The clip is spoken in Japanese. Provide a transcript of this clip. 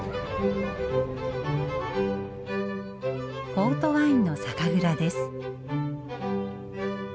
ポートワインの酒蔵です。